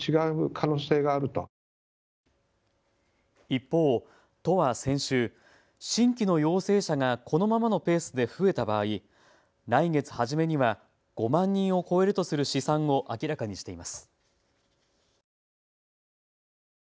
一方、都は先週、新規の陽性者がこのままのペースで増えた場合、来月初めには５万人を超えるとする試算を明らかにしています。